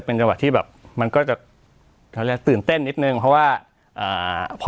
เป็นจังหวะที่แบบมันก็จะตื่นเต้นนิดนึงเพราะว่าอ่าพอ